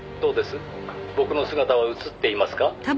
僕の姿は映っていますか？」